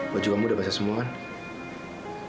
baju kamu udah basah semua kan